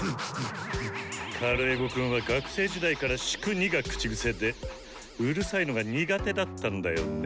カルエゴくんは学生時代から「粛に」が口癖でうるさいのが苦手だったんだよねえ。